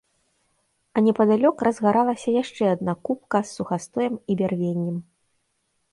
А непадалёк разгаралася яшчэ адна купка з сухастоем і бярвеннем.